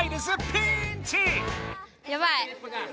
ピーンチ！